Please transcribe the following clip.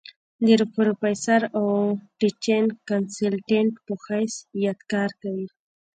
د پروفيسر او ټيچنګ کنسلټنټ پۀ حېث يت کار کوي ۔